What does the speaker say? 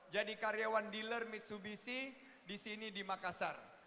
jadi karyawan dealer mitsubishi di sini di makassar